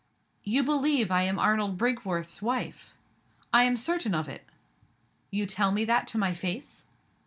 "You believe I am Arnold Brinkworth's wife?" "I am certain of it." "You tell me that to my face?"